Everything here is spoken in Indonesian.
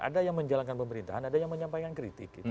ada yang menjalankan pemerintahan ada yang menyampaikan kritik